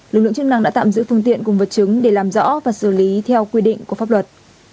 lực lượng chức năng đã tạm giữ phương tiện cùng vật chứng để làm rõ và xử lý theo quy định của pháp luật